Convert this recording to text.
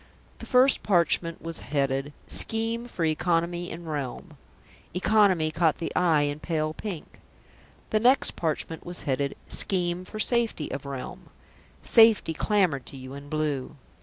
The first parchment was headed: SCHEME FOR ECONOMY IN REALM "Economy" caught the eye in pale pink. The next parchment was headed: SCHEME FOR SAFETY OF REALM "Safety" clamoured to you in blue.